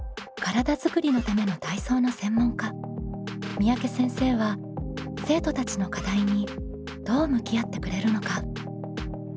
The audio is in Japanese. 三宅先生は生徒たちの課題にどう向き合ってくれるのか？